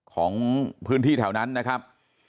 ของพื้นที่แถวนั้นนะครับ